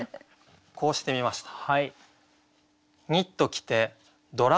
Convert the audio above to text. こうしてみました。